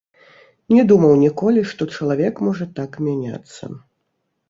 Не думаў ніколі, што чалавек можа так мяняцца